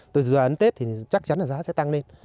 từ giờ đến tết thì chắc chắn là giá sẽ tăng lên